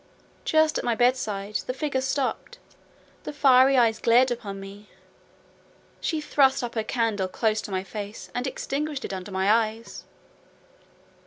Just at my bedside, the figure stopped: the fiery eyes glared upon me—she thrust up her candle close to my face, and extinguished it under my eyes.